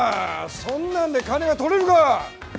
そんなんで金が取れるか。